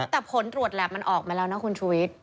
แต่ผลตรวจแหลบมันออกมาแล้วนะคุณชุวิต